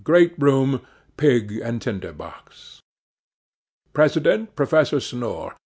GREAT ROOM, PIG AND TINDER BOX. President—Professor Snore.